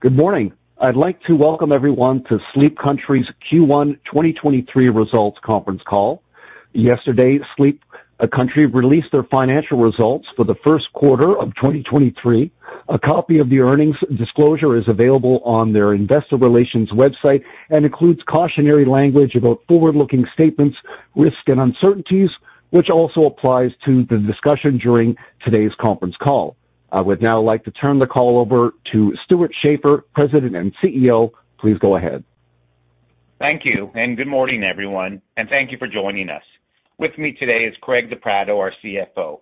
Good morning. I'd like to welcome everyone to Sleep Country's Q1 2023 results conference call. Yesterday, Sleep Country released their financial results for the first quarter of 2023. A copy of the earnings disclosure is available on their investor relations website and includes cautionary language about forward-looking statements, risks, and uncertainties, which also applies to the discussion during today's conference call. I would now like to turn the call over to Stewart Schaefer, President and CEO. Please go ahead. Thank you, good morning, everyone, and thank you for joining us. With me today is Craig De Pratto, our CFO.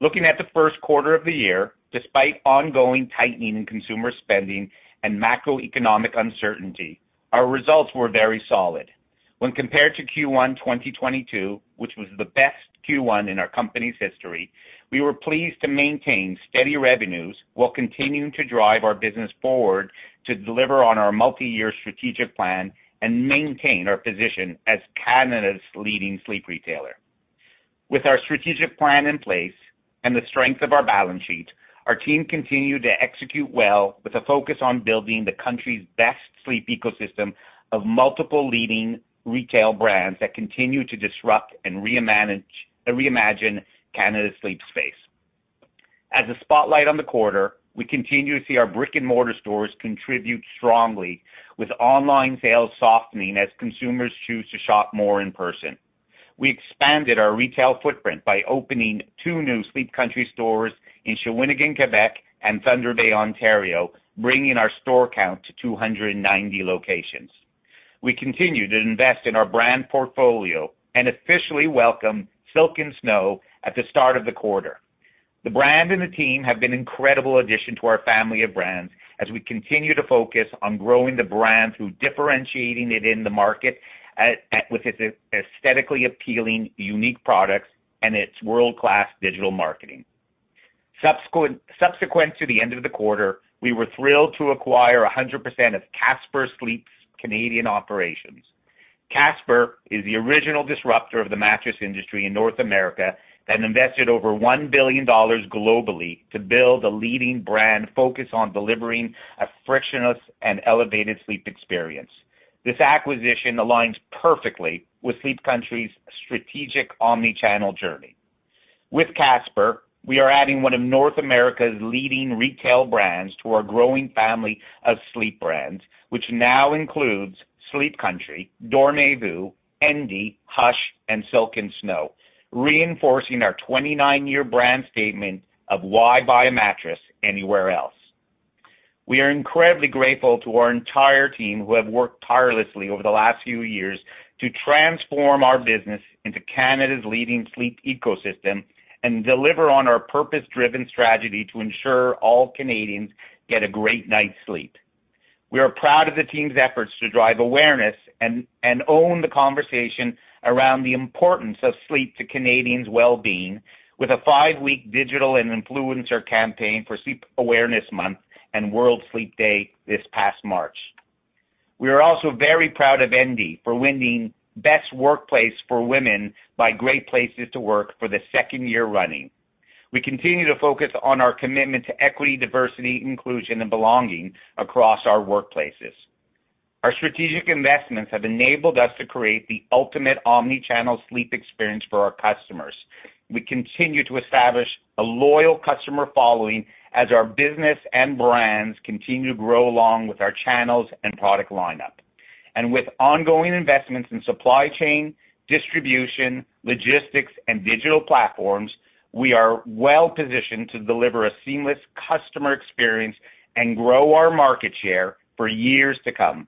Looking at the 1st quarter of the year, despite ongoing tightening in consumer spending and macroeconomic uncertainty, our results were very solid. When compared to Q1 2022, which was the best Q1 in our company's history, we were pleased to maintain steady revenues while continuing to drive our business forward to deliver on our multi-year strategic plan and maintain our position as Canada's leading sleep retailer. With our strategic plan in place and the strength of our balance sheet, our team continued to execute well with a focus on building the country's best sleep ecosystem of multiple leading retail brands that continue to disrupt and reimagine Canada's sleep space. As a spotlight on the quarter, we continue to see our brick-and-mortar stores contribute strongly with online sales softening as consumers choose to shop more in person. We expanded our retail footprint by opening two new Sleep Country stores in Shawinigan, Quebec, and Thunder Bay, Ontario, bringing our store count to 290 locations. We continued to invest in our brand portfolio and officially welcome Silk & Snow at the start of the quarter. The brand and the team have been an incredible addition to our family of brands as we continue to focus on growing the brand through differentiating it in the market with its aesthetically appealing, unique products and its world-class digital marketing. Subsequent to the end of the quarter, we were thrilled to acquire 100% of Casper Sleep's Canadian operations. Casper is the original disruptor of the mattress industry in North America and invested over $1 billion globally to build a leading brand focused on delivering a frictionless and elevated sleep experience. This acquisition aligns perfectly with Sleep Country's strategic omni-channel journey. With Casper, we are adding one of North America's leading retail brands to our growing family of sleep brands, which now includes Sleep Country, Dormez-vous, Endy, Hush, and Silk & Snow, reinforcing our 29-year brand statement of why buy a mattress anywhere else. We are incredibly grateful to our entire team, who have worked tirelessly over the last few years to transform our business into Canada's leading sleep ecosystem and deliver on our purpose-driven strategy to ensure all Canadians get a great night's sleep. We are proud of the team's efforts to drive awareness and own the conversation around the importance of sleep to Canadians' well-being with a five-week digital and influencer campaign for Sleep Awareness Month and World Sleep Day this past March. We are also very proud of Endy for winning Best Workplace for Women by Great Place To Work for the second year running. We continue to focus on our commitment to equity, diversity, inclusion, and belonging across our workplaces. Our strategic investments have enabled us to create the ultimate omni-channel sleep experience for our customers. We continue to establish a loyal customer following as our business and brands continue to grow along with our channels and product lineup. With ongoing investments in supply chain, distribution, logistics, and digital platforms, we are well-positioned to deliver a seamless customer experience and grow our market share for years to come.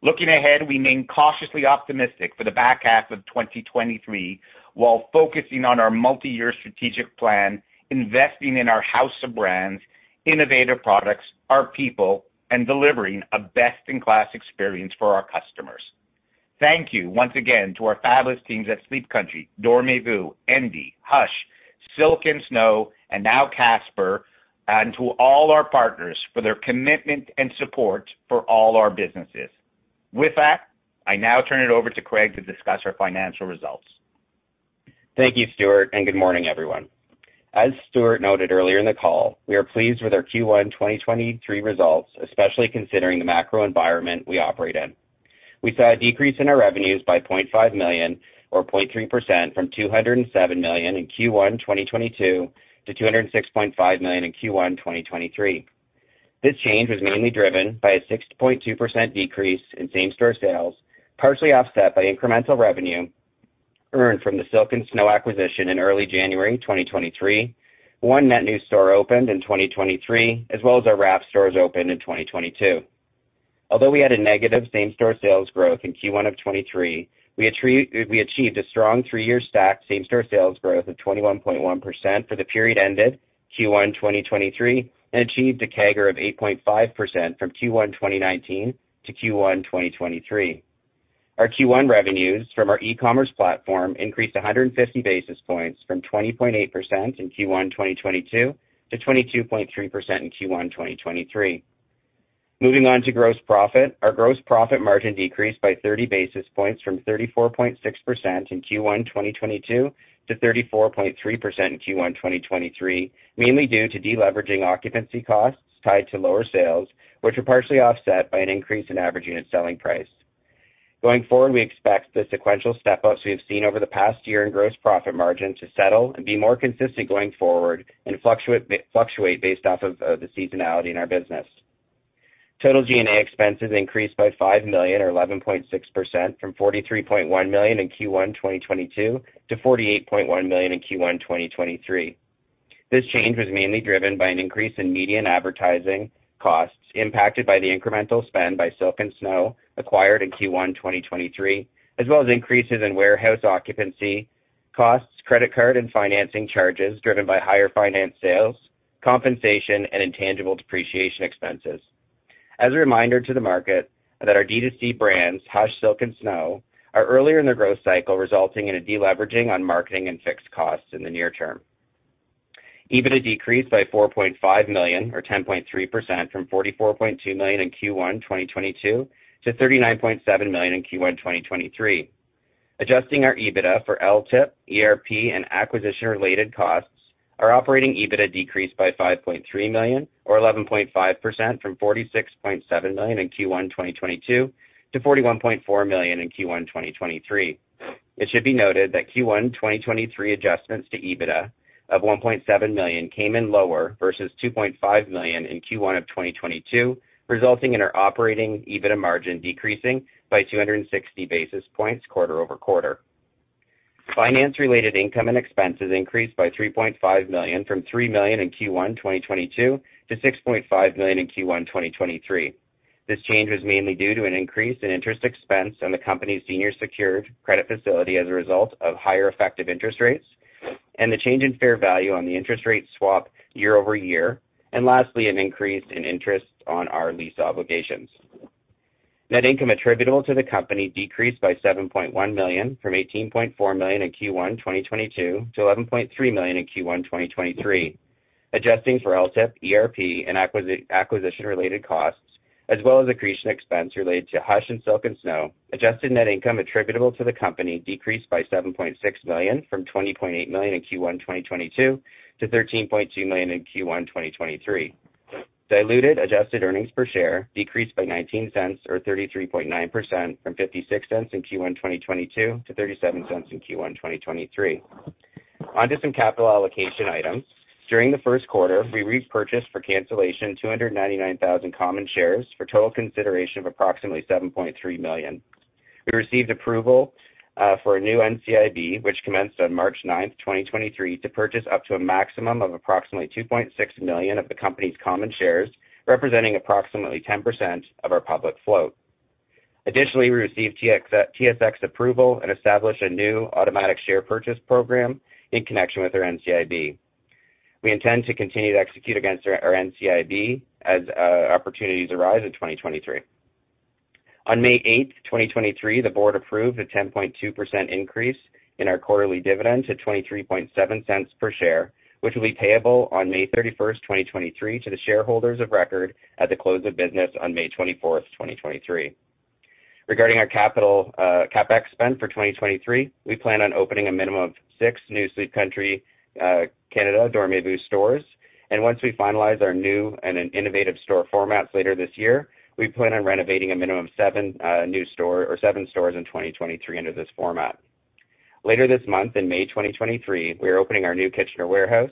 Looking ahead, we remain cautiously optimistic for the back half of 2023 while focusing on our multi-year strategic plan, investing in our house of brands, innovative products, our people, and delivering a best-in-class experience for our customers. Thank you once again to our fabulous teams at Sleep Country, Dormez-vous, Endy, Hush, Silk & Snow, and now Casper, and to all our partners for their commitment and support for all our businesses. With that, I now turn it over to Craig to discuss our financial results. Thank you, Stewart, good morning, everyone. As Stewart noted earlier in the call, we are pleased with our Q1 2023 results, especially considering the macro environment we operate in. We saw a decrease in our revenues by $0.5 million or 0.3% from $207 million in Q1 2022 to $206.5 million in Q1 2023. This change was mainly driven by a 6.2% decrease in same-store sales, partially offset by incremental revenue earned from the Silk & Snow acquisition in early January 2023. One net new store opened in 2023, as well as our wrap stores opened in 2022. Although we had a negative same-store sales growth in Q1 2023, we achieved a strong three-year stacked same-store sales growth of 21.1% for the period ended Q1 2023 and achieved a CAGR of 8.5% from Q1 2019 to Q1 2023. Our Q1 revenues from our e-commerce platform increased 150 basis points from 20.8% in Q1 2022 to 22.3% in Q1 2023. Moving on to gross profit. Our gross profit margin decreased by 30 basis points from 34.6% in Q1 2022 to 34.3% in Q1 2023, mainly due to deleveraging occupancy costs tied to lower sales, which were partially offset by an increase in average unit selling price. Going forward, we expect the sequential step ups we have seen over the past year in gross profit margin to settle and be more consistent going forward and fluctuate based off of the seasonality in our business. Total G&A expenses increased by $5 million or 11.6% from $43.1 million in Q1 2022 to $48.1 million in Q1 2023. This change was mainly driven by an increase in media and advertising costs impacted by the incremental spend by Silk & Snow acquired in Q1 2023, as well as increases in warehouse occupancy costs, credit card and financing charges driven by higher finance sales, compensation, and intangible depreciation expenses. As a reminder to the market that our D2C brands, Hush, Silk & Snow, are earlier in their growth cycle, resulting in a deleveraging on marketing and fixed costs in the near term. EBITDA decreased by $4.5 million or 10.3% from $44.2 million in Q1 2022 to $39.7 million in Q1 2023. Adjusting our EBITDA for LTIP, ERP and acquisition-related costs, our operating EBITDA decreased by $5.3 million or 11.5% from $46.7 million in Q1 2022 to $41.4 million in Q1 2023. It should be noted that Q1 2023 adjustments to EBITDA of $1.7 million came in lower versus $2.5 million in Q1 of 2022, resulting in our operating EBITDA margin decreasing by 260 basis points quarter-over-quarter. Finance related income and expenses increased by $3.5 million from $3 million in Q1 2022 to $6.5 million in Q1 2023. This change was mainly due to an increase in interest expense on the company's senior secured credit facility as a result of higher effective interest rates and the change in fair value on the interest rate swap year-over-year, and lastly, an increase in interest on our lease obligations. Net income attributable to the company decreased by $7.1 million from $18.4 million in Q1 2022 to $11.3 million in Q1 2023. Adjusting for LTIP, ERP, and acquisition-related costs as well as accretion expense related to Hush and Silk & Snow, adjusted net income attributable to the company decreased by $7.6 million from $20.8 million in Q1 2022 to $13.2 million in Q1 2023. Diluted adjusted earnings per share decreased by $0.19 or 33.9% from $0.56 in Q1 2022 to $0.37 in Q1 2023. On to some capital allocation items. During the first quarter, we repurchased for cancellation 299,000 common shares for total consideration of approximately $7.3 million. We received approval for a new NCIB, which commenced on March 9th, 2023, to purchase up to a maximum of approximately 2.6 million of the company's common shares, representing approximately 10% of our public float. Additionally, we received TSX approval and established a new automatic share purchase plan in connection with our NCIB. We intend to continue to execute against our NCIB as opportunities arise in 2023. On May 8th, 2023, the board approved a 10.2% increase in our quarterly dividend to $0.237 per share, which will be payable on May 31st, 2023, to the shareholders of record at the close of business on May 24th, 2023. Regarding our capital, CapEx spend for 2023, we plan on opening a minimum of six new Sleep Country Canada Dormez-vous stores. Once we finalize our new and innovative store formats later this year, we plan on renovating a minimum of seven new store or seven stores in 2023 under this format. Later this month, in May 2023, we are opening our new Kitchener warehouse,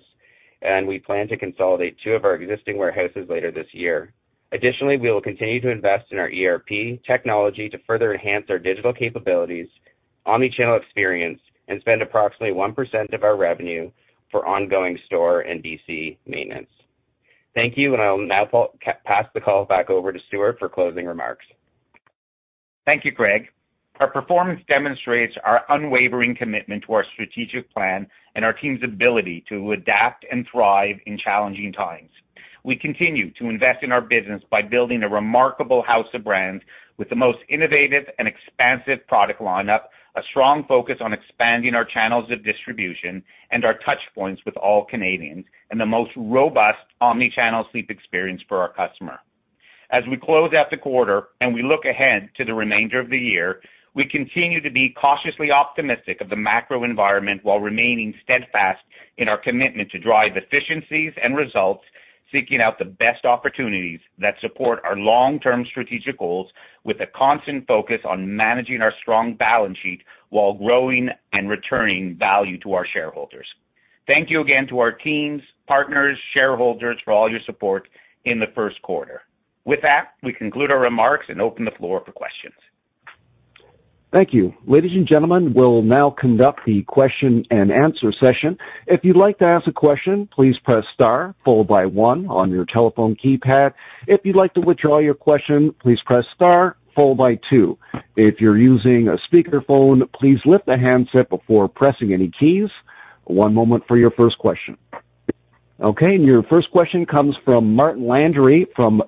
and we plan to consolidate two of our existing warehouses later this year. Additionally, we will continue to invest in our ERP technology to further enhance our digital capabilities, omni-channel experience, and spend approximately 1% of our revenue for ongoing store and DC maintenance. Thank you, and I'll now pass the call back over to Stewart for closing remarks. Thank you, Craig. Our performance demonstrates our unwavering commitment to our strategic plan and our team's ability to adapt and thrive in challenging times. We continue to invest in our business by building a remarkable house of brands with the most innovative and expansive product lineup, a strong focus on expanding our channels of distribution and our touch points with all Canadians, and the most robust omni-channel sleep experience for our customer. As we close out the quarter and we look ahead to the remainder of the year, we continue to be cautiously optimistic of the macro environment while remaining steadfast in our commitment to drive efficiencies and results, seeking out the best opportunities that support our long-term strategic goals with a constant focus on managing our strong balance sheet while growing and returning value to our shareholders. Thank you again to our teams, partners, shareholders for all your support in the first quarter. With that, we conclude our remarks and open the floor for questions. Thank you. Ladies and gentlemen, we'll now conduct the question-and-answer session. If you'd like to ask a question, please press star followed by one on your telephone keypad. If you'd like to withdraw your question, please press star followed by two. If you're using a speakerphone, please lift the handset before pressing any keys. One moment for your first question. Okay, your first question comes from Martin Landry from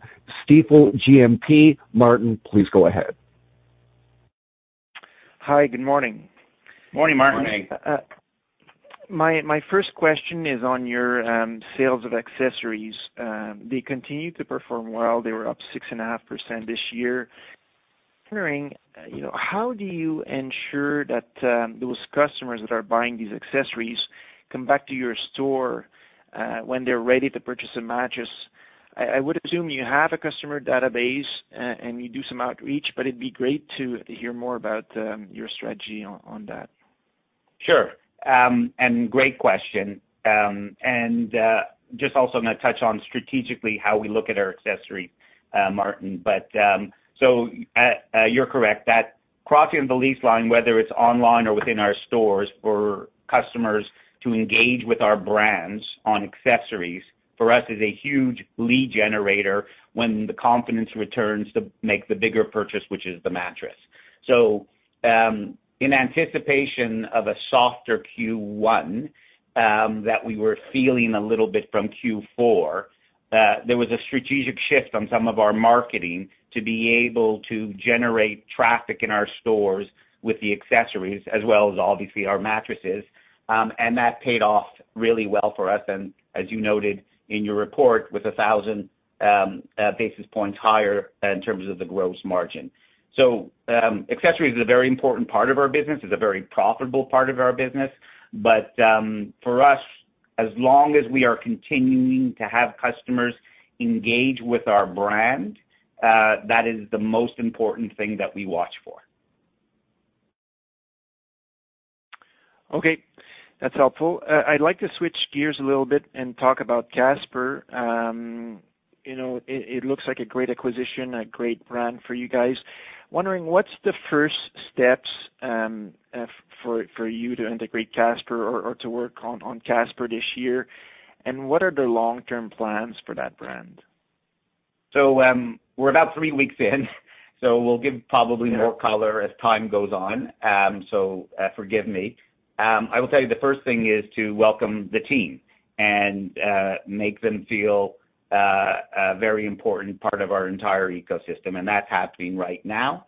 Stifel GMP. Martin, please go ahead. Hi, good morning. Morning, Martin. Morning. My first question is on your sales of accessories. They continue to perform well. They were up 6.5% this year. Hearing, you know, how do you ensure that those customers that are buying these accessories come back to your store when they're ready to purchase the mattress? I would assume you have a customer database and you do some outreach, but it'd be great to hear more about your strategy on that. Sure. Great question. Just also gonna touch on strategically how we look at our accessories, Martin. You're correct that crossing the lease line, whether it's online or within our stores for customers to engage with our brands on accessories, for us is a huge lead generator when the confidence returns to make the bigger purchase, which is the mattress. In anticipation of a softer Q1, that we were feeling a little bit from Q4, there was a strategic shift on some of our marketing to be able to generate traffic in our stores with the accessories as well as obviously our mattresses. That paid off really well for us, and as you noted in your report with 1,000 basis points higher in terms of the gross margin. accessories is a very important part of our business, is a very profitable part of our business. For us, as long as we are continuing to have customers engage with our brand, that is the most important thing that we watch for. Okay. That's helpful. I'd like to switch gears a little bit and talk about Casper. You know, it looks like a great acquisition, a great brand for you guys. Wondering what's the first steps for you to integrate Casper or to work on Casper this year, and what are the long-term plans for that brand? We're about three weeks in, so we'll give probably more color as time goes on. Forgive me. I will tell you the first thing is to welcome the team and make them feel a very important part of our entire ecosystem. That's happening right now.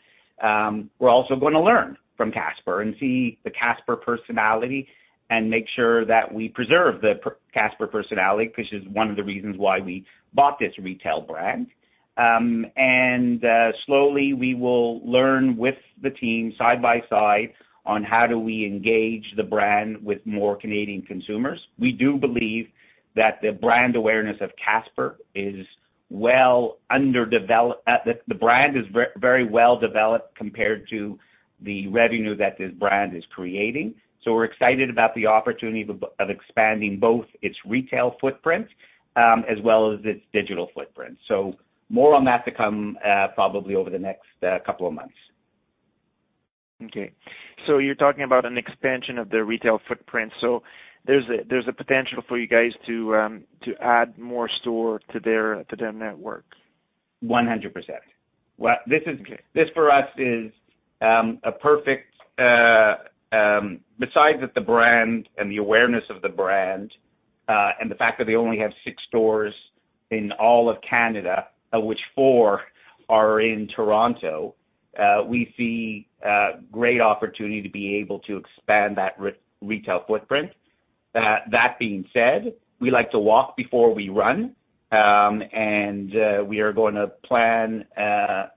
We're also gonna learn from Casper and see the Casper personality and make sure that we preserve the Casper personality, which is one of the reasons why we bought this retail brand. Slowly we will learn with the team side by side on how do we engage the brand with more Canadian consumers. We do believe that the brand awareness of Casper is well under developed, the brand is very well developed compared to the revenue that this brand is creating. We're excited about the opportunity of expanding both its retail footprint, as well as its digital footprint. More on that to come, probably over the next couple of months. Okay. You're talking about an expansion of the retail footprint. There's a potential for you guys to add more store to their network. 100%. Well. Okay. This for us is a perfect, besides that the brand and the awareness of the brand, and the fact that they only have six stores in all of Canada, of which four are in Toronto, we see great opportunity to be able to expand that re-retail footprint. That being said, we like to walk before we run, and we are gonna plan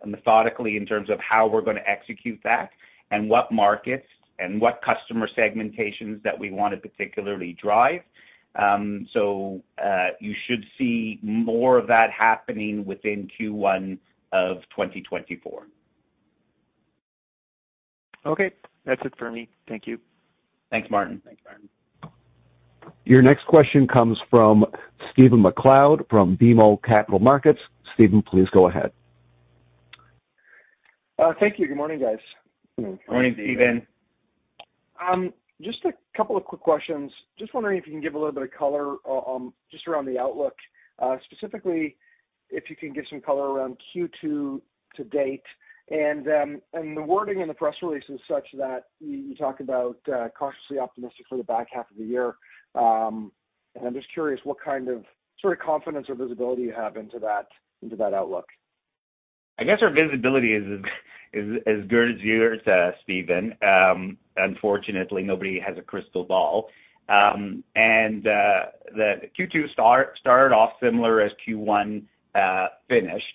methodically in terms of how we're gonna execute that and what markets and what customer segmentations that we wanna particularly drive. You should see more of that happening within Q1 of 2024. Okay. That's it for me. Thank you. Thanks, Martin. Thanks, Martin. Your next question comes from Stephen MacLeod from BMO Capital Markets. Stephen, please go ahead. Thank you. Good morning, guys. Morning, Stephen. Just a couple of quick questions. Just wondering if you can give a little bit of color just around the outlook. Specifically, if you can give some color around Q2 to date, and the wording in the press release is such that you talk about cautiously optimistic for the back half of the year. I'm just curious what kind of, sort of confidence or visibility you have into that, into that outlook. I guess our visibility is as good as yours, Stephen. Unfortunately, nobody has a crystal ball. The Q2 started off similar as Q1 finished,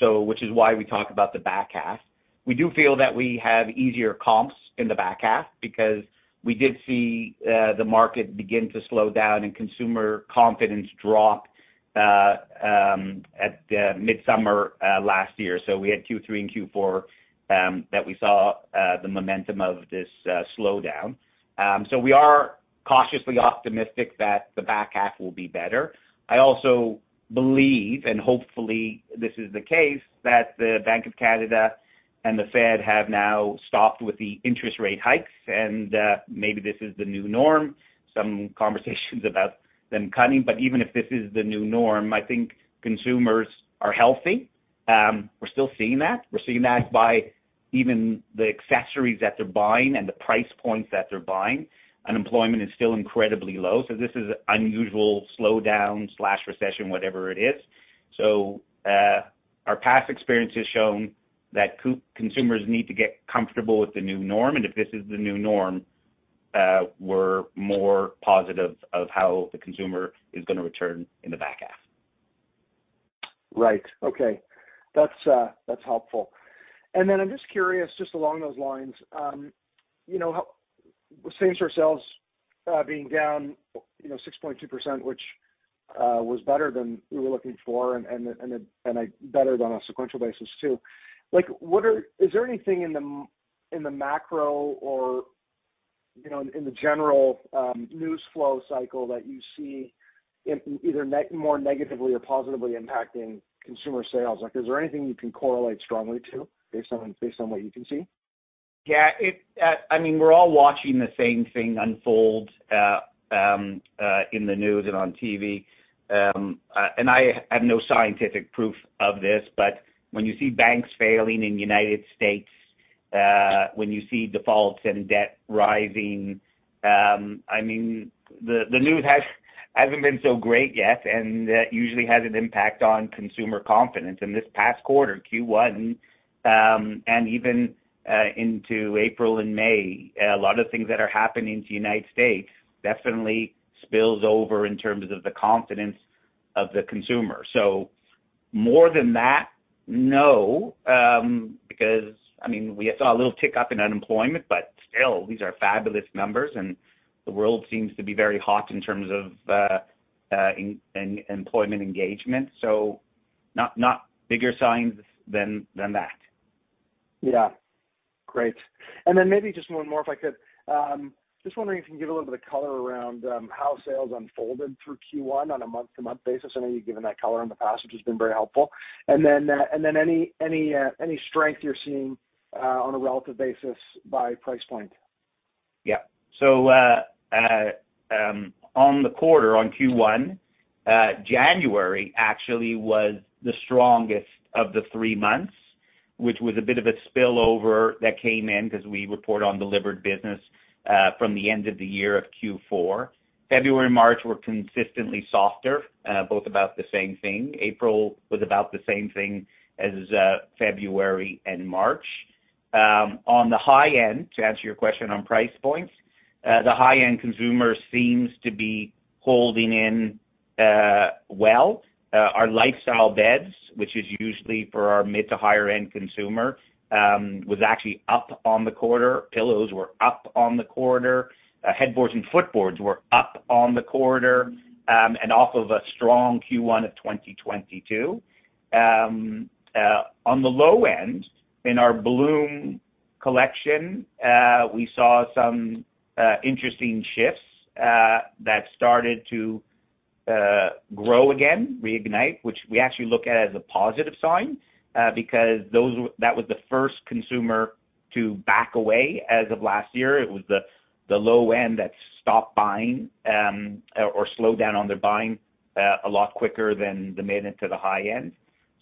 so which is why we talk about the back half. We do feel that we have easier comps in the back half because we did see the market begin to slow down and consumer confidence drop at midsummer last year. We had Q3 and Q4 that we saw the momentum of this slowdown. We are cautiously optimistic that the back half will be better. I also believe, and hopefully this is the case, that the Bank of Canada and the Fed have now stopped with the interest rate hikes and maybe this is the new norm, some conversations about them cutting. Even if this is the new norm, I think consumers are healthy. We're still seeing that. We're seeing that by even the accessories that they're buying and the price points that they're buying. Unemployment is still incredibly low, this is unusual slowdown/recession, whatever it is. Our past experience has shown that consumers need to get comfortable with the new norm, and if this is the new norm, we're more positive of how the consumer is gonna return in the back half. Right. Okay. That's helpful. Then I'm just curious, just along those lines, you know, how... Same-store sales being down, you know, 6.2%, which was better than we were looking for and better than a sequential basis too. Like, is there anything in the macro or, you know, in the general news flow cycle that you see in either more negatively or positively impacting consumer sales? Like, is there anything you can correlate strongly to based on what you can see? Yeah. I mean, we're all watching the same thing unfold in the news and on TV. I have no scientific proof of this, but when you see banks failing in the United States, when you see defaults and debt rising, I mean, the news hasn't been so great yet, and that usually has an impact on consumer confidence. In this past quarter, Q1, and even into April and May, a lot of things that are happening to United States definitely spills over in terms of the confidence of the consumer. More than that, no, because, I mean, we saw a little tick up in unemployment, but still, these are fabulous numbers, and the world seems to be very hot in terms of employment engagement, so not bigger signs than that. Yeah. Great. Maybe just one more, if I could. Just wondering if you can give a little bit of color around how sales unfolded through Q1 on a month-to-month basis. I know you've given that color in the past, which has been very helpful. Then any strength you're seeing on a relative basis by price point? Yeah. On the quarter, on Q1, January actually was the strongest of the three months, which was a bit of a spillover that came in 'cause we report on delivered business from the end of the year of Q4. February and March were consistently softer, both about the same thing. April was about the same thing as February and March. On the high end, to answer your question on price points, the high-end consumer seems to be holding in well. Our lifestyle beds, which is usually for our mid to higher end consumer, was actually up on the quarter. Pillows were up on the quarter. Headboards and footboards were up on the quarter, and off of a strong Q1 of 2022. On the low end, in our Bloom collection, we saw some interesting shifts that started to grow again, reignite, which we actually look at as a positive sign, because that was the first consumer to back away as of last year. It was the low end that stopped buying, or slowed down on their buying, a lot quicker than the mid and to the high end.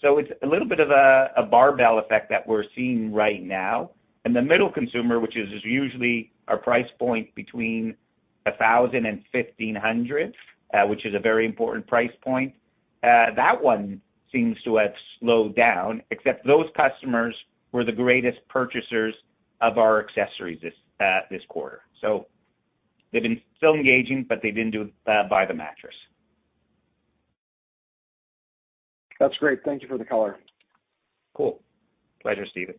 It's a little bit of a barbell effect that we're seeing right now. The middle consumer, which is usually a price point between $1,000 and $1,500, which is a very important price point, that one seems to have slowed down, except those customers were the greatest purchasers of our accessories this quarter. They've been still engaging, but they didn't buy the mattress. That's great. Thank you for the color. Cool. Pleasure, Stephen.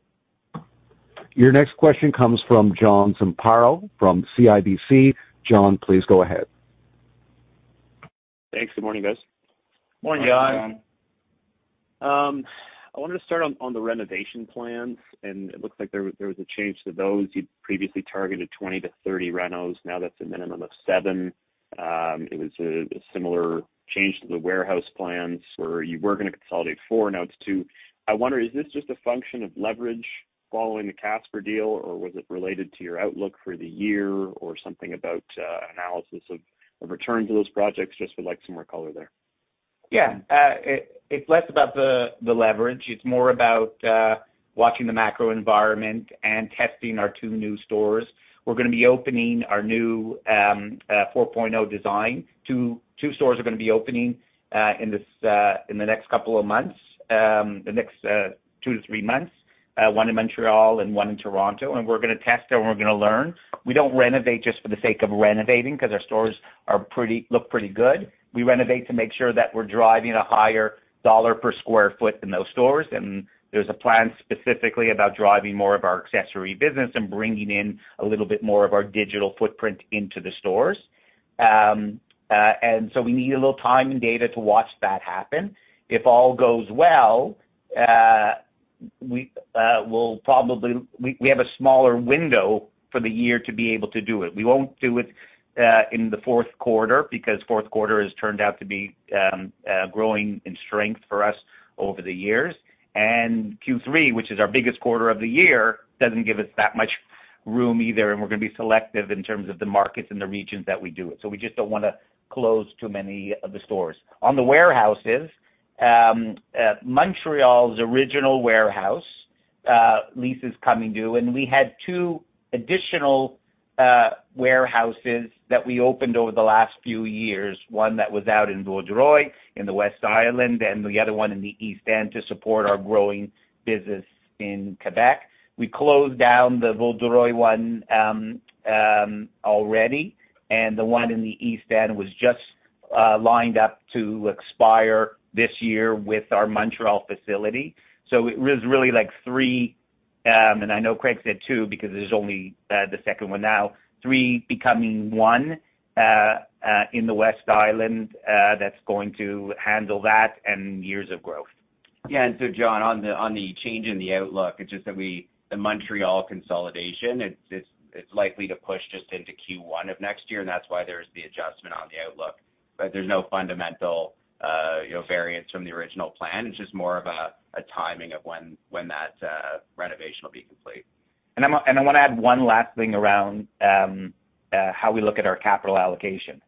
Your next question comes from John Zamparo from CIBC. John, please go ahead. Thanks. Good morning, guys. Morning, John. Morning, John. I wanted to start on the renovation plans. It looks like there was a change to those. You'd previously targeted 20-30 renos. Now that's a minimum of seven. It was a similar change to the warehouse plans where you were gonna consolidate four, now it's two. I wonder, is this just a function of leverage following the Casper deal, or was it related to your outlook for the year or something about analysis of return to those projects? Just would like some more color there. Yeah. It's less about the leverage. It's more about watching the macro environment and testing our two new stores. We're gonna be opening our new 4.0 design. Two stores are gonna be opening in this in the next couple of months, the next two to three months, one in Montreal and one in Toronto. We're gonna test and we're gonna learn. We don't renovate just for the sake of renovating 'cause our stores look pretty good. We renovate to make sure that we're driving a higher dollar per square foot in those stores. There's a plan specifically about driving more of our accessory business and bringing in a little bit more of our digital footprint into the stores. We need a little time and data to watch that happen. If all goes well, we have a smaller window for the year to be able to do it. We won't do it in the fourth quarter because fourth quarter has turned out to be growing in strength for us over the years. Q3, which is our biggest quarter of the year, doesn't give us that much room either, and we're gonna be selective in terms of the markets and the regions that we do it. We just don't wanna close too many of the stores. On the warehouses, Montreal's original warehouse. Leases coming due, and we had two additional warehouses that we opened over the last few years. One that was out in Vaudreuil in the West Island, and the other one in the East End to support our growing business in Quebec. We closed down the Vaudreuil one already, and the one in the East End was just lined up to expire this year with our Montreal facility. It was really like three, and I know Craig said two because there's only the second one now, three becoming one in the West Island that's going to handle that and years of growth. John, on the change in the outlook, it's just that the Montreal consolidation, it's likely to push just into Q1 of next year, and that's why there's the adjustment on the outlook. There's no fundamental, you know, variance from the original plan. It's just more of a timing of when that renovation will be complete. I wanna add one last thing around how we look at our capital allocation.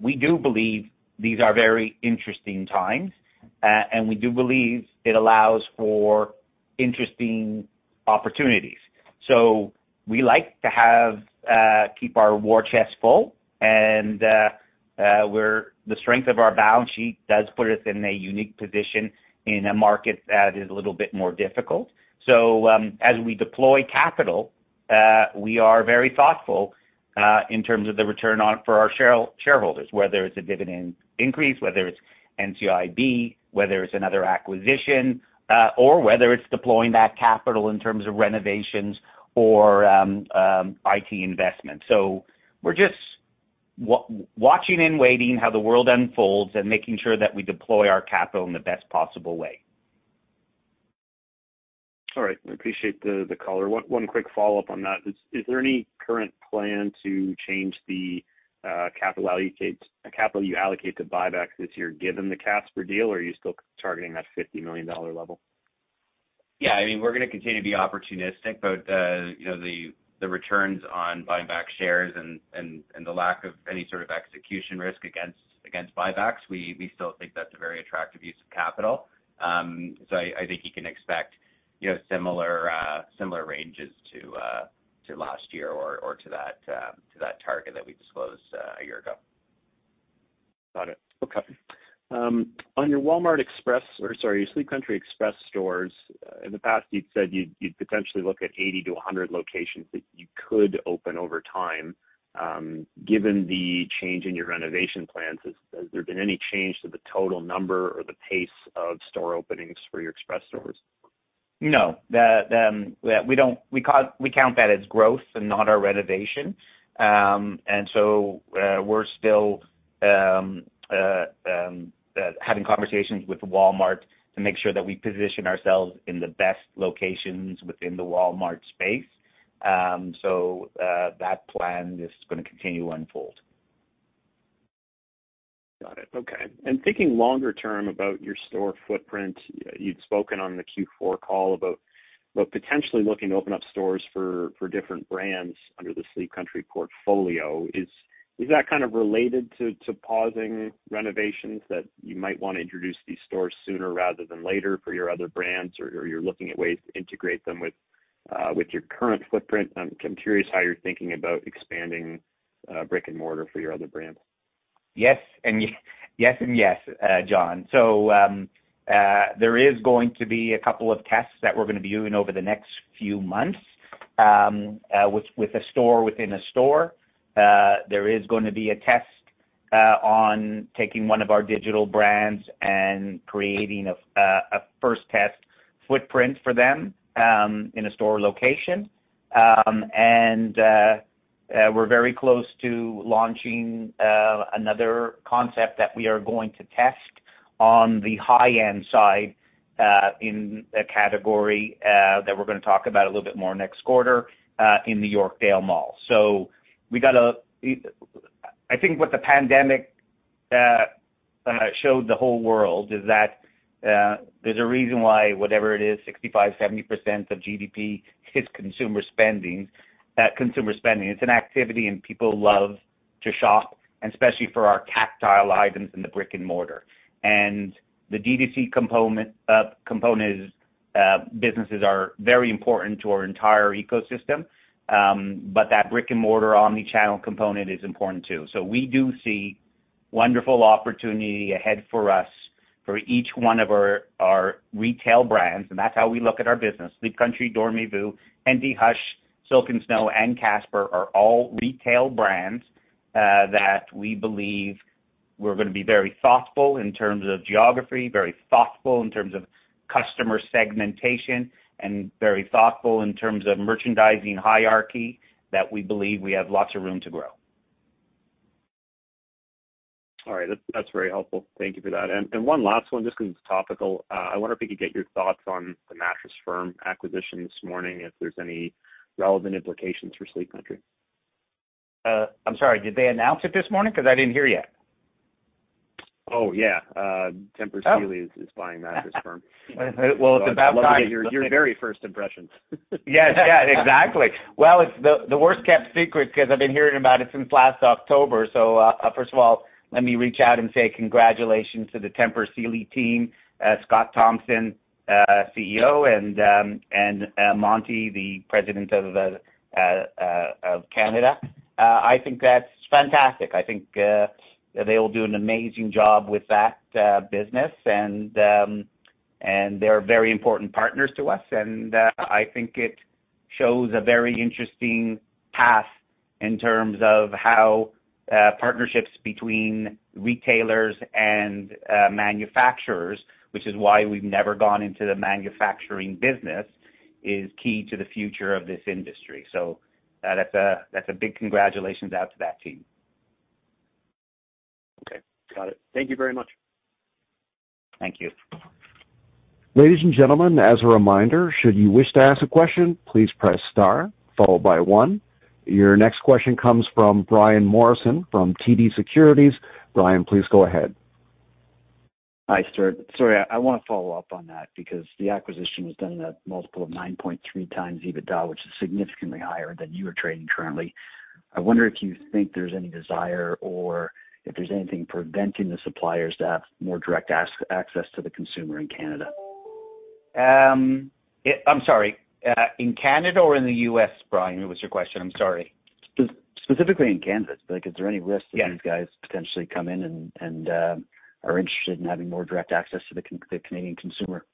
We do believe these are very interesting times and we do believe it allows for interesting opportunities. We like to have keep our war chest full and the strength of our balance sheet does put us in a unique position in a market that is a little bit more difficult. As we deploy capital, we are very thoughtful in terms of the return on it for our shareholders, whether it's a dividend increase, whether it's NCIB, whether it's another acquisition, or whether it's deploying that capital in terms of renovations or IT investments. We're just watching and waiting how the world unfolds and making sure that we deploy our capital in the best possible way. All right. I appreciate the color. One quick follow-up on that. Is there any current plan to change the capital you allocate to buybacks this year given the Casper deal, or are you still targeting that $50 million level? Yeah. I mean, we're gonna continue to be opportunistic, but, you know, the returns on buying back shares and the lack of any sort of execution risk against buybacks, we still think that's a very attractive use of capital. I think you can expect, you know, similar ranges to last year or to that target that we disclosed a year ago. Got it. Okay. On your Walmart Express, or sorry, your Sleep Country Express stores, in the past you've said you'd potentially look at 80 to 100 locations that you could open over time. Given the change in your renovation plans, has there been any change to the total number or the pace of store openings for your Express stores? No. We count that as growth and not our renovation. We're still having conversations with Walmart to make sure that we position ourselves in the best locations within the Walmart space. That plan is gonna continue to unfold. Got it. Okay. Thinking longer term about your store footprint, you'd spoken on the Q4 call about potentially looking to open up stores for different brands under the Sleep Country portfolio. Is that kind of related to pausing renovations that you might wanna introduce these stores sooner rather than later for your other brands, or you're looking at ways to integrate them with your current footprint? I'm curious how you're thinking about expanding brick and mortar for your other brands. Yes, and yes and yes, John. There is going to be a couple of tests that we're going to be doing over the next few months with a store within a store. There is going to be a test on taking one of our digital brands and creating a first test footprint for them in a store location. And we're very close to launching another concept that we are going to test on the high-end side in a category that we're going to talk about a little bit more next quarter in the Yorkdale Mall. We got a... I think what the pandemic showed the whole world is that there's a reason why whatever it is, 65%, 70% of GDP is consumer spending. Consumer spending, it's an activity and people love to shop, and especially for our tactile items in the brick and mortar. The D2C component businesses are very important to our entire ecosystem, but that brick and mortar omni-channel component is important too. We do see wonderful opportunity ahead for us for each one of our retail brands, and that's how we look at our business. Sleep Country, Dormez-vous, Endy, Hush, Silk & Snow, and Casper are all retail brands that we believe we're gonna be very thoughtful in terms of geography, very thoughtful in terms of customer segmentation, and very thoughtful in terms of merchandising hierarchy that we believe we have lots of room to grow. All right. That's very helpful. Thank you for that. One last one, just 'cause it's topical. I wonder if we could get your thoughts on the Mattress Firm acquisition this morning, if there's any relevant implications for Sleep Country. I'm sorry, did they announce it this morning? 'Cause I didn't hear yet. Oh, yeah. Tempur Sealy is buying Mattress Firm. Well, it's about time. I'd love to get your very first impressions. Yes. Yeah, exactly. Well, it's the worst kept secret 'cause I've been hearing about it since last October. First of all, let me reach out and say congratulations to the Tempur Sealy team, Scott Thompson, CEO and Monty, the president of Canada. I think that's fantastic. I think they'll do an amazing job with that business and they're very important partners to us. I think it shows a very interesting path in terms of how partnerships between retailers and manufacturers, which is why we've never gone into the manufacturing business, is key to the future of this industry. That's a big congratulations out to that team. Okay. Got it. Thank you very much. Thank you. Ladies and gentlemen, as a reminder, should you wish to ask a question, please press star followed by one. Your next question comes from Brian Morrison from TD Securities. Brian, please go ahead. Hi, Stewart. Sorry, I wanna follow up on that because the acquisition was done at a multiple of 9.3x EBITDA, which is significantly higher than you are trading currently. I wonder if you think there's any desire or if there's anything preventing the suppliers to have more direct access to the consumer in Canada. I'm sorry, in Canada or in the U.S., Brian? What was your question? I'm sorry. specifically in Canada. Like, is there any risk- Yeah. These guys potentially come in and are interested in having more direct access to the Canadian consumer?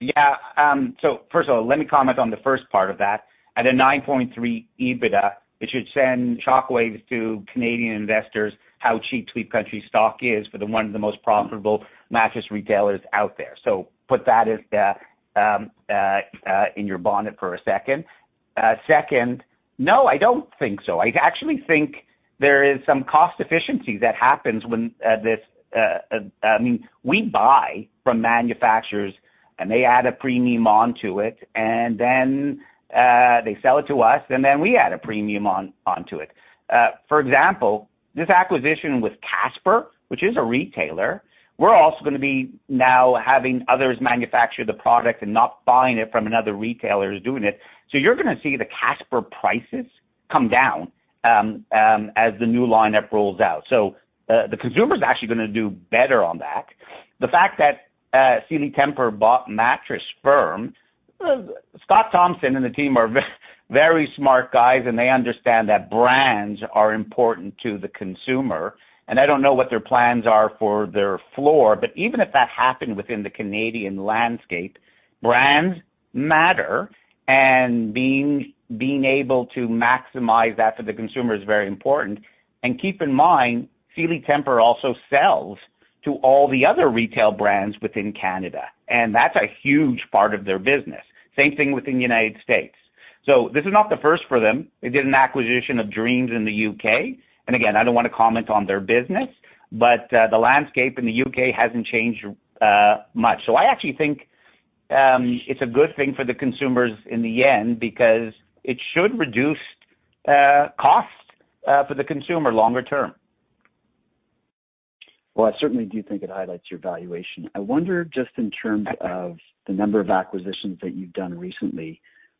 First of all, let me comment on the first part of that. At a 9.3x EBITDA, it should send shockwaves to Canadian investors how cheap Sleep Country's stock is for the one of the most profitable mattress retailers out there. Put that as in your bonnet for a second. Second, no, I don't think so. I actually think there is some cost efficiency that happens when. I mean, we buy from manufacturers, and they add a premium onto it, and then they sell it to us, and then we add a premium onto it. For example, this acquisition with Casper, which is a retailer, we're also gonna be now having others manufacture the product and not buying it from another retailer who's doing it. You're gonna see the Casper prices come down as the new lineup rolls out. The consumer's actually gonna do better on that. The fact that Tempur Sealy bought Mattress Firm, Scott Thompson and the team are very smart guys, and they understand that brands are important to the consumer. I don't know what their plans are for their floor, but even if that happened within the Canadian landscape, brands matter, and being able to maximize that for the consumer is very important. Keep in mind, Tempur Sealy also sells to all the other retail brands within Canada, and that's a huge part of their business. Same thing within United States. This is not the first for them. They did an acquisition of Dreams in the U.K. Again, I don't wanna comment on their business, but the landscape in the UK hasn't changed much. I actually think it's a good thing for the consumers in the end because it should reduce cost for the consumer longer term. Well, I certainly do think it highlights your valuation. I wonder, just in terms of the number of acquisitions that you've done recently,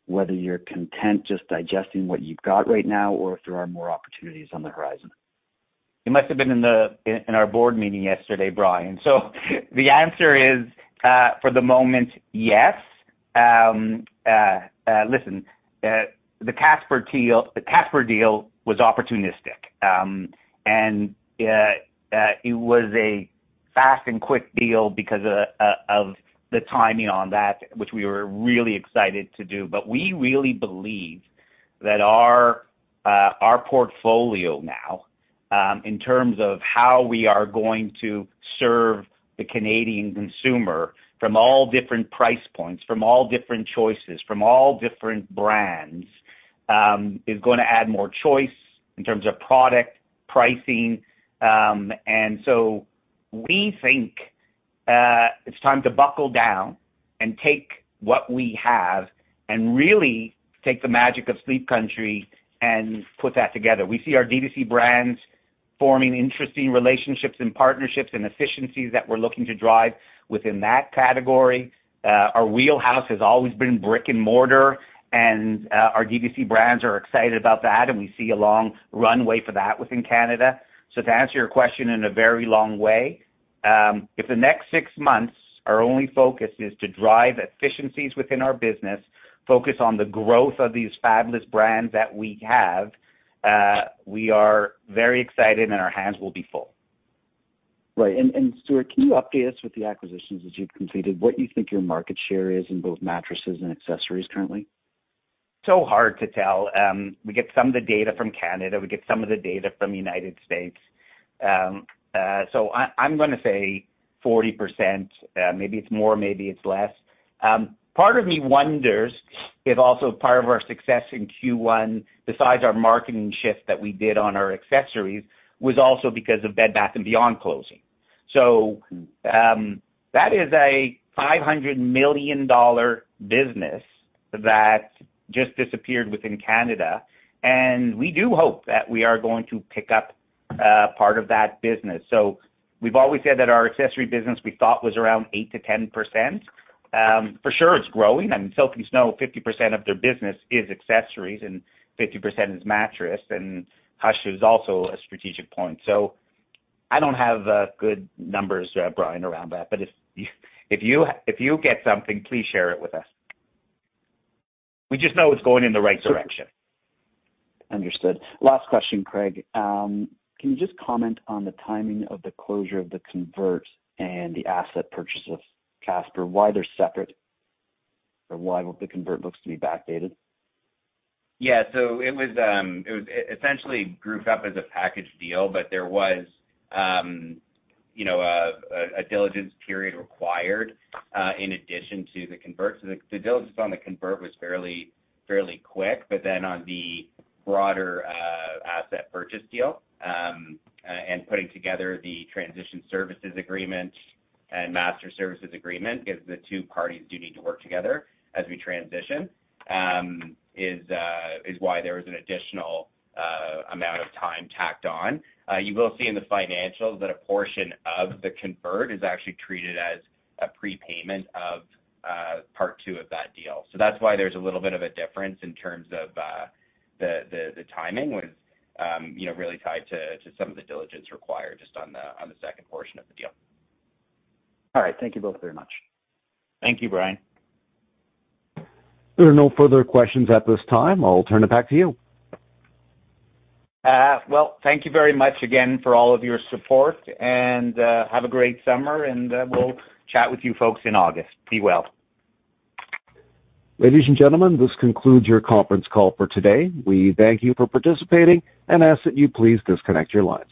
whether you're content just digesting what you've got right now or if there are more opportunities on the horizon? You must have been in our board meeting yesterday, Brian. The answer is for the moment, yes. Listen, the Casper deal was opportunistic. And it was a fast and quick deal because of the timing on that, which we were really excited to do. We really believe that our portfolio now, in terms of how we are going to serve the Canadian consumer from all different price points, from all different choices, from all different brands, is gonna add more choice in terms of product pricing. We think it's time to buckle down and take what we have and really take the magic of Sleep Country and put that together. We see our D2C brands forming interesting relationships and partnerships and efficiencies that we're looking to drive within that category. Our wheelhouse has always been brick-and-mortar, and our D2C brands are excited about that, and we see a long runway for that within Canada. To answer your question in a very long way, if the next six months, our only focus is to drive efficiencies within our business, focus on the growth of these fabulous brands that we have, we are very excited and our hands will be full. Right. Stewart, can you update us with the acquisitions that you've completed, what you think your market share is in both mattresses and accessories currently? So hard to tell. We get some of the data from Canada. We get some of the data from United States. I'm gonna say 40%. Maybe it's more, maybe it's less. Part of me wonders if also part of our success in Q1, besides our marketing shift that we did on our accessories, was also because of Bed Bath & Beyond closing. That is a $500 million business that just disappeared within Canada, and we do hope that we are going to pick up part of that business. We've always said that our accessory business, we thought, was around 8%-10%. For sure it's growing. I mean, Silk & Snow, 50% of their business is accessories and 50% is mattress, and Hush is also a strategic point. I don't have, good numbers, Brian, around that, but if you, if you get something, please share it with us. We just know it's going in the right direction. Understood. Last question, Craig. Can you just comment on the timing of the closure of the convert and the asset purchase of Casper, why they're separate or why would the convert looks to be backdated? It was essentially group up as a package deal, but there was, you know, a diligence period required in addition to the convert. The diligence on the convert was fairly quick. On the broader asset purchase deal, and putting together the transition services agreement and master services agreement, because the two parties do need to work together as we transition, is why there was an additional amount of time tacked on. You will see in the financials that a portion of the convert is actually treated as a prepayment of part two of that deal. That's why there's a little bit of a difference in terms of the timing was, you know, really tied to some of the diligence required just on the second portion of the deal. All right. Thank you both very much. Thank you, Brian. There are no further questions at this time. I'll turn it back to you. Well, thank you very much again for all of your support and, have a great summer, and, we'll chat with you folks in August. Be well. Ladies and gentlemen, this concludes your conference call for today. We thank you for participating and ask that you please disconnect your lines.